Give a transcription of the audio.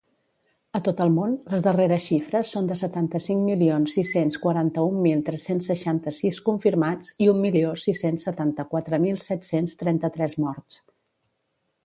A tot el món, les darreres xifres són de setanta-cinc milions sis-cents quaranta-un mil tres-cents seixanta-sis confirmats i un milió sis-cents setanta-quatre mil set-cents trenta-tres morts.